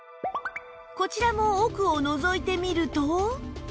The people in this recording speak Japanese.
こちらも奥をのぞいてみると